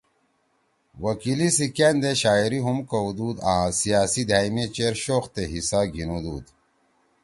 وکیلی سی کأن دے شاعری ہُم کؤدُود آں سیاسی دھأئں می چیر شوق تے حِصہ گھیِنُودُود